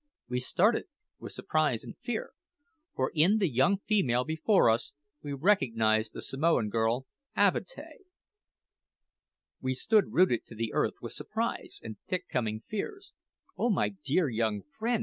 We started with surprise and fear, for in the young female before us we recognised the Samoan girl, Avatea. We stood rooted to the earth with surprise and thick coming fears. "Oh my dear young friend!"